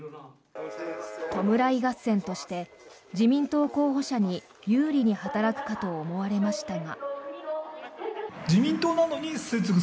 弔い合戦として自民党候補者に有利に働くかと思われましたが。